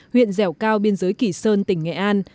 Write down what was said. huyện dẻo cao biên giới kỳ sơn tỉnh nghệ an